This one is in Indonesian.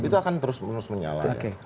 itu akan terus menyala